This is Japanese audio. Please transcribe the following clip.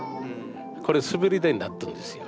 これ滑り台になってるんですよ